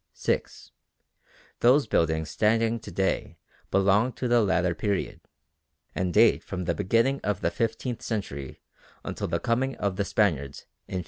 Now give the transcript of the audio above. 6. Those buildings standing to day belong to the latter day period, and date from the beginning of the fifteenth century until the coming of the Spaniards in 1517.